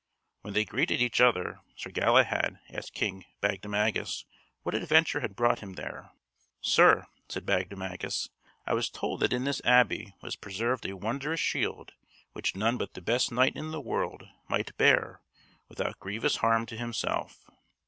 When they greeted each other, Sir Galahad asked King Bagdemagus what adventure had brought him there. "Sir," said Bagdemagus, "I was told that in this abbey was preserved a wondrous shield which none but the best knight in the world might bear without grievous harm to himself.